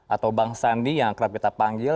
atau bang sandi yang kerap kita panggil